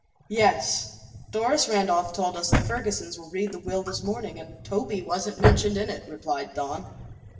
"Yes. Doris Randolph told us the Fergusons read the will this morning, and Toby wasn't mentioned in it," replied Don.